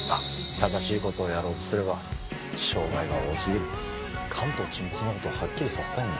正しいことをやろうとすれば障害が多すぎる関東沈没のことをはっきりさせたいんだ